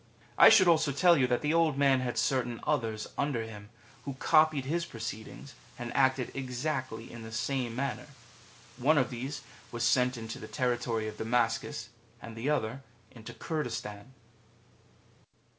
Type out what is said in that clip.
^ I should also tell you that the Old Man had certain others under him, who copied his proceedings and acted exactly in the same manner. One of these was sent into the territory of Damascus, and the other into Curdistan.